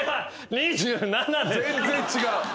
全然違う。